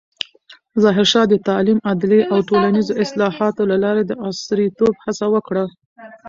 ظاهرشاه د تعلیم، عدلیې او ټولنیزو اصلاحاتو له لارې د عصریتوب هڅه وکړه.